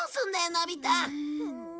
のび太。